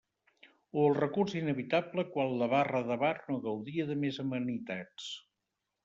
O el recurs inevitable quan la barra de bar no gaudia de més amenitats.